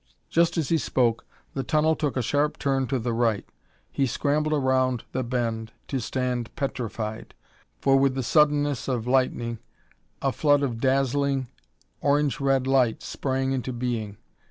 Just as he spoke the tunnel took a sharp turn to the right. He scrambled around the bend to stand petrified, for with the suddenness of lightning a flood of dazzling orange red light sprang into being.